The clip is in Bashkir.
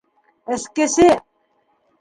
Эскесе!